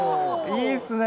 いいですね！